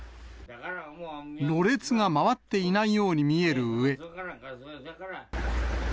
ろれつが回っていないように見えるうえ。